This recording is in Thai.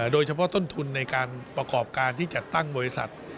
โดยเฉพาะต้นทุนในการประกอบการที่จัดตั้งบริษัท